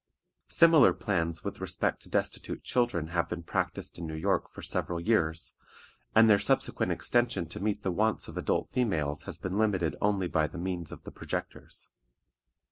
Similar plans with respect to destitute children have been practiced in New York for several years, and their subsequent extension to meet the wants of adult females has been limited only by the means of the projectors.